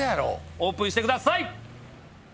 オープンしてください！